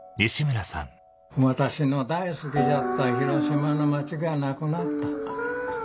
「私の大好きじゃった広島の町がなくなった。